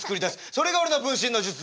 それが俺の分身の術だ。